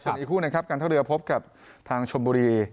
ส่วนอีกคู่นะครับการท่าเรือพบกับทางชมบุรี